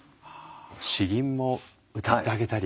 詩吟もうたってあげたり。